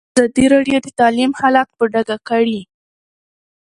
ازادي راډیو د تعلیم حالت په ډاګه کړی.